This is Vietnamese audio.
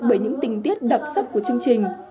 bởi những tình tiết đặc sắc của chương trình